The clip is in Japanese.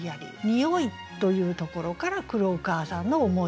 「におい」というところから来るお母さんの思い。